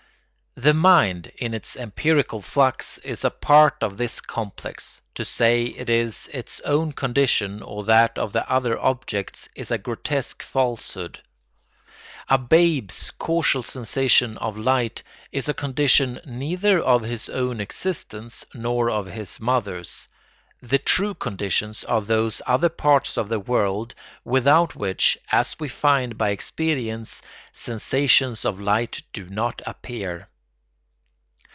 The mind, in its empirical flux, is a part of this complex; to say it is its own condition or that of the other objects is a grotesque falsehood. A babe's casual sensation of light is a condition neither of his own existence nor of his mother's. The true conditions are those other parts of the world without which, as we find by experience, sensations of light do not appear.